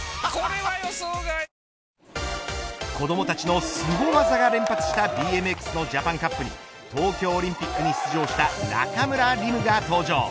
２年目のドラ１と子どもたちのスゴ技が連発したＢＭＸのジャパンカップに東京オリンピックに出場した中村輪夢が登場。